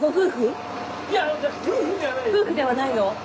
夫婦ではないの？